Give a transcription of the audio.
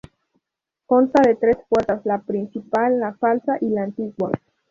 Consta de tres puertas: la principal, la falsa y la antigua.